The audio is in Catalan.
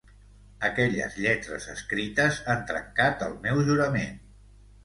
Aquestes lletres escrites han trencat el meu jurament.